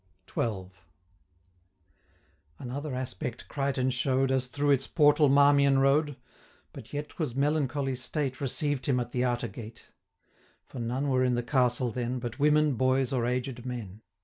235 XII. Another aspect Crichtoun show'd, As through its portal Marmion rode; But yet 'twas melancholy state Received him at the outer gate; For none were in the Castle then, 240 But women, boys, or aged men.